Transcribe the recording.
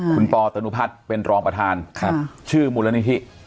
คุณปอตนุพัฒน์เป็นรองประธานชื่อมูลนิธิ